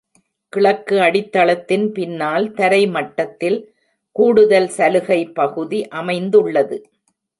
கிழக்கு அடித்தளத்தின் பின்னால் தரை மட்டத்தில் கூடுதல் சலுகை பகுதி அமைந்துள்ளது.